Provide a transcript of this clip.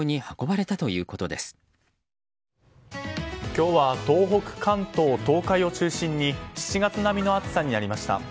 今日は東北、関東東海を中心に７月並みの暑さになりました。